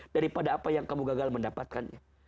daripada apa yang kamu gagal mendapatkannya